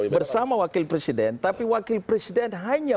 bersama wakil presiden tapi wakil presiden hanya